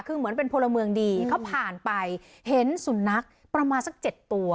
คือเหมือนเป็นพลเมืองดีเขาผ่านไปเห็นสุนัขประมาณสัก๗ตัว